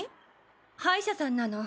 歯医者さんなの。